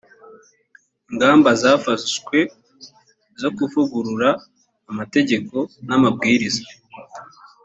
ingamba zafashwe zo kuvugurura amategeko n’amabwiriza